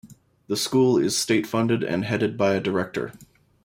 The school is state funded and headed by a Director.